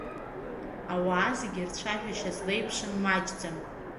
Ауаа зегьы рцәажәашьа злеиԥшым маҷӡам.